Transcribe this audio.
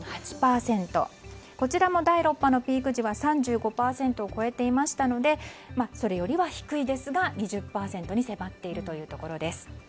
こちらも第６波のピーク時は３５％を超えていましたのでそれよりは低いですが２０％に迫っているというところです。